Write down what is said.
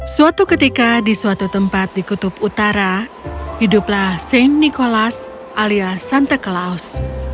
suatu ketika di suatu tempat di kutub utara hiduplah shane nicolas alias santa claus